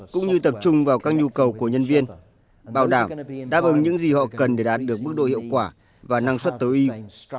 cũng như tập trung vào các nhu cầu của nhân viên bảo đảm đáp ứng những gì họ cần để đạt được mức độ hiệu quả và năng suất tối y